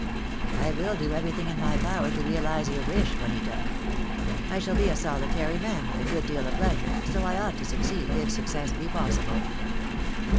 "I will do everything in my power to realize your wish, Juanita. I shall be a solitary man with a good deal of leisure, so I ought to succeed, if success be possible."